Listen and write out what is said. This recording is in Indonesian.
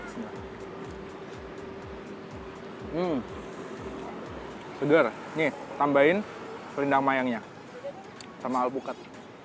seger nih tambahin selendang mayangnya sama alpukat